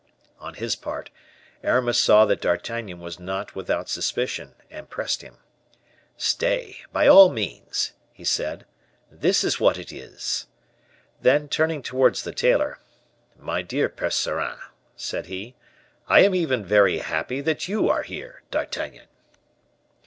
On his part, Aramis saw that D'Artagnan was not without suspicion, and pressed him. "Stay, by all means," he said, "this is what it is." Then turning towards the tailor, "My dear Percerin," said he, "I am even very happy that you are here, D'Artagnan."